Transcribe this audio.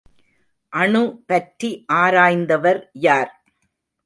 அணு பற்றி ஆராய்ந்தவர் யார்?